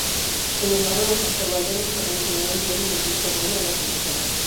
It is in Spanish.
Sin embargo los observadores internacionales dieron el visto bueno a las elecciones.